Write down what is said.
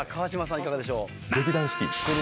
いかがでしょう？